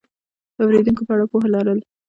د اورېدونکو په اړه پوهه لرل